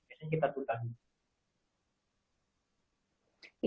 biasanya kita turut lagi